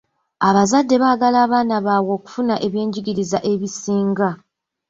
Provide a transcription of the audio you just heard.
Abazadde baagala abaana baabwe okufuna ebyenjigiriza ebisinga.